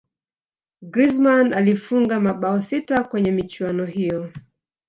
griezmann alifunga mabao sita kwenye michuano hiyo